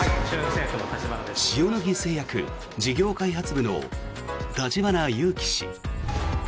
塩野義製薬事業開発部の立花裕樹氏。